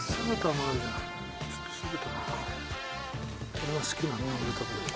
これが好きなの。